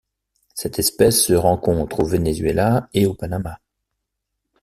Cette espèce se rencontre au Venezuela et au Panama.